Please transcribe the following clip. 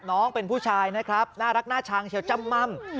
น้องเป็นผู้ชายนะครับน่ารักน่าชางเฉียวจ้ำม่ำ